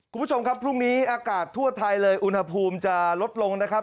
คุณผู้ชมครับพรุ่งนี้อากาศทั่วไทยเลยอุณหภูมิจะลดลงนะครับ